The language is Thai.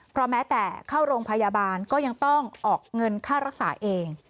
เพราะแม้แต่เข้าโรงพยาบาลก็ยังต้องออกเงินค่ารักษาเอง